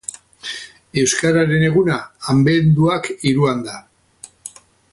Euskararen eguna abenduak hiruan da.